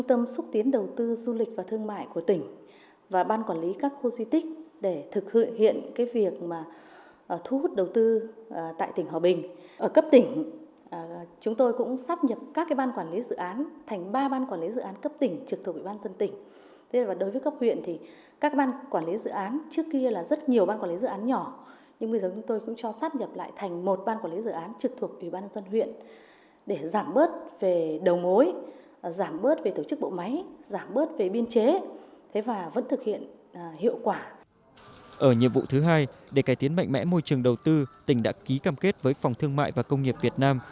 ở nhiệm vụ thứ hai để cải tiến mạnh mẽ môi trường đầu tư tỉnh đã ký cam kết với phòng thương mại và công nghiệp việt nam